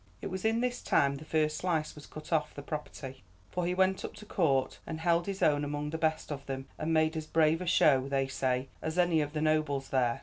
"It was in his time the first slice was cut off the property, for he went up to Court, and held his own among the best of them, and made as brave a show, they say, as any of the nobles there.